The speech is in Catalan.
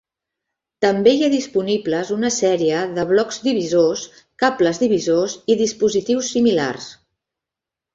També hi ha disponibles una sèrie de blocs divisors, cables divisors i dispositius similars.